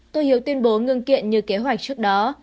tôi hiếu tuyên bố ngưng kiện như kế hoạch trước đó